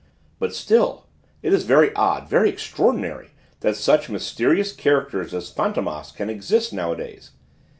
"But still it is very odd, very extraordinary that such mysterious characters as Fantômas can exist nowadays.